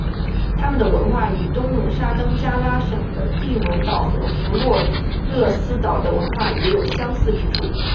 他们的文化与东努沙登加拉省的帝汶岛和弗洛勒斯岛的文化也有相似之处。